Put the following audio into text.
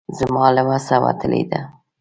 زما له وسه وتلې ده.